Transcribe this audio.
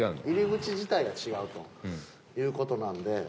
入り口自体が違うという事なんで。